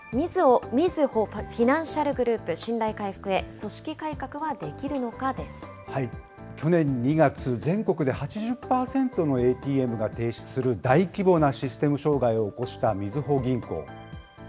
みずほフィナンシャルグループ、信頼回復へ、組織改革はできるの去年２月、全国で８０％のＡＴＭが停止する大規模なシステム障害を起こしたみずほ銀行。